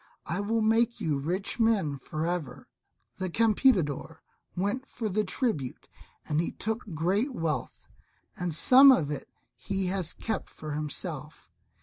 I will make you rich men for ever. The Campeador went for the tribute and he took great wealth, and some of it he has kept for himself.